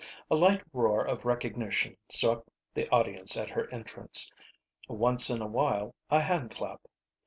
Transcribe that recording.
A light roar of recognition swept the audience at her entrance. Once in a while, a handclap.